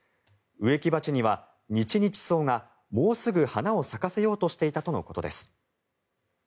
植木鉢にはニチニチソウがもうすぐ花を咲かせようとしていたとのことです。